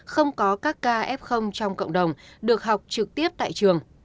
không có các ca f trong cộng đồng được học trực tiếp tại trường